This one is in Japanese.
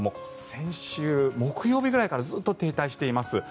先週木曜日ぐらいからずっと停滞しています。